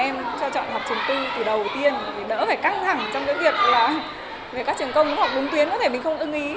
em cho chọn học trường tư từ đầu tiên thì đỡ phải căng thẳng trong cái việc là học về các trường công học đúng tuyến có thể mình không ưng ý